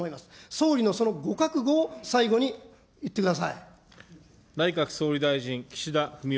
総理のそのご覚悟を最後に言ってください。